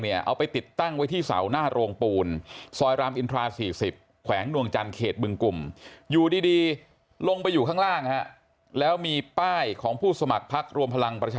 เอาไปติดตั้งไว้ที่เสาหน้าโรงปูน